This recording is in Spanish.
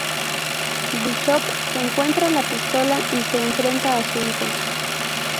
Bishop encuentra la pistola y se enfrenta a su hijo.